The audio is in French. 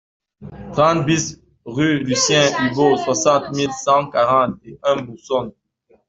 trente BIS rue Lucien Hubaut, soixante mille cent quarante et un Boursonne